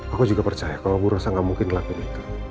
aku juga percaya kalau bu rosa gak mungkin ngelakuin itu